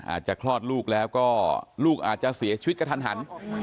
อาจจะครอบลูกแล้วก็ลูกอาจจะเสียชีวิตกระทัน